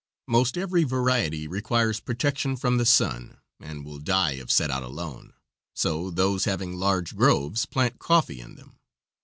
Most every variety requires protection from the sun, and will die if set out alone, so those having large groves plant coffee in them.